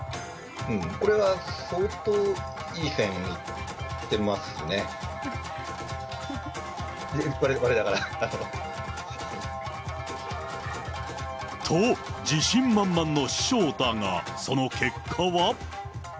これは相当いい線いってますね、と、自信満々の師匠だが、その結果は。